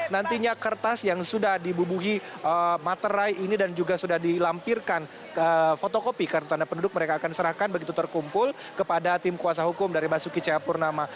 nantinya kertas yang sudah dibubuhi materai ini dan juga sudah dilampirkan fotokopi kartu tanda penduduk mereka akan serahkan begitu terkumpul kepada tim kuasa hukum dari basuki cahayapurnama